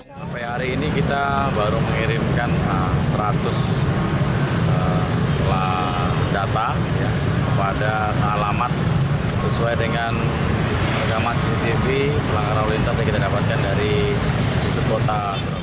sampai hari ini kita baru mengirimkan seratus data kepada alamat sesuai dengan rekaman cctv pelanggaran lalu lintas yang kita dapatkan dari pusat kota